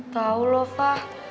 tau loh fah